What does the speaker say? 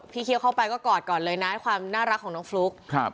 เคี้ยวเข้าไปก็กอดก่อนเลยนะความน่ารักของน้องฟลุ๊กครับ